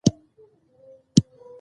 خو بيا هم پکې نرينه مرکزيت ماتېده